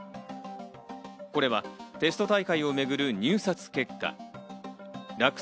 これはテスト大会をめぐる入札結果。